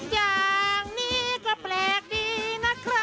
ตัวนี้ก็แปลกดีน่ะครับ